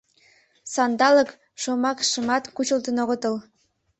«Сандалык» шомакшымат кучылтын огытыл.